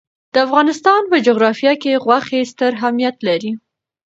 د افغانستان په جغرافیه کې غوښې ستر اهمیت لري.